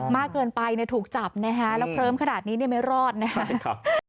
มากเกินไปถูกจับนะครับแล้วเพิ่มขนาดนี้ไม่รอดนะครับ